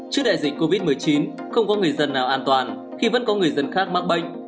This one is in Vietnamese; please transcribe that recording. trước đại dịch covid một mươi chín không có người dân nào an toàn khi vẫn có người dân khác mắc bệnh